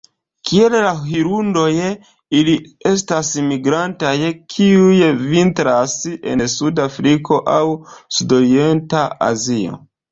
Kiel la hirundoj, ili estas migrantaj, kiuj vintras en suda Afriko aŭ sudorienta Azio.